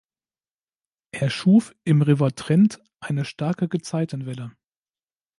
Er schuf im River Trent eine starke Gezeitenwelle.